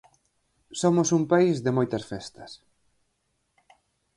Somos un país de moitas festas.